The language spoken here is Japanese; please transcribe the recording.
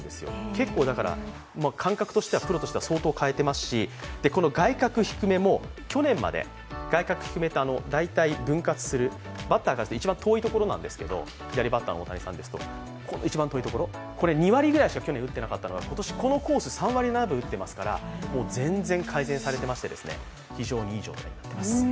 結構、感覚としてはプロとしては相当変えてますし、外角低めも去年まで外角低めって、大体分割して、バッターから見ると一番とおいところなんですけど２割ぐらいしか去年打ってなかったのが、今年、このコース３割７分打ってますから、全然改善されてまして、非常にいい状態です。